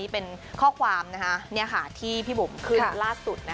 เป็นข้อความที่พี่บุ๋มขึ้นล่าสุด